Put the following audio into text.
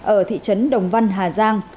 ở thị trấn đồng văn hà giang